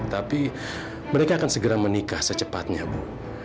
tapi mereka akan segera menikah secepatnya bu